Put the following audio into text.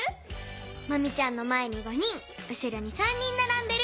マミちゃんのまえに５人うしろに３人ならんでる。